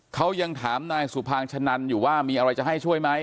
เขายังถามนายสุภางชะนันอยู่ว่ามีอะไรจะให้ช่วยไหม